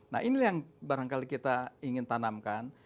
nah ini yang barangkali kita ingin tanamkan